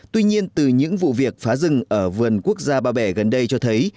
tuy nhiên từ những vụ việc phá rừng ở vườn quốc gia ba bể gần đây cho thấy